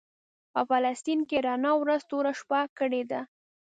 په فلسطین یې رڼا ورځ توره شپه کړې ده.